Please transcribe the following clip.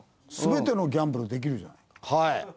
全てのギャンブルできるじゃない。